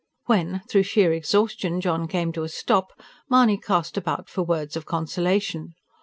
When, through sheer exhaustion, John came to a stop, Mahony cast about for words of consolation.